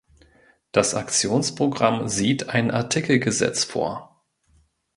Das Aktionsprogramm sieht ein Artikelgesetz vor.